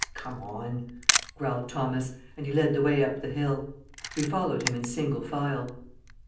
"Come on," growled Thomas, and he led the way up the hill. We followed him in single file.